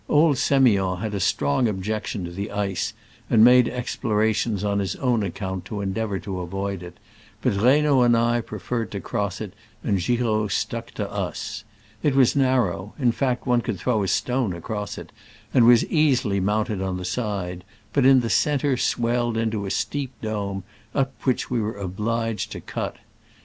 Old Semiond had a strong ob jection to the ice, and made explora tions on his own account to endeavor to avoid it; but Reynaud and I pre ferred to cross it, and Giraud stuck to us. It was narrow — in fact, one could throw a stone across it — w^' and was easily mpunted on the ' side, but in the centre swell ed into a steep dome, up which we were obliged to cut.